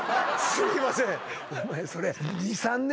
すいません